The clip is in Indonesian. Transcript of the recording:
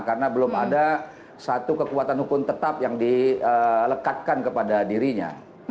karena belum ada satu kekuatan hukum tetap yang dilekatkan kepada dirinya